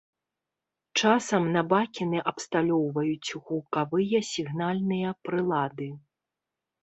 Часам на бакены абсталёўваюць гукавыя сігнальныя прылады.